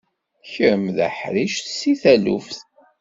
Kemm d aḥric seg taluft.